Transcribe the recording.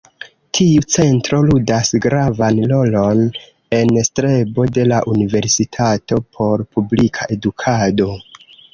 Tiu centro ludas gravan rolon en strebo de la Universitato por publika edukado.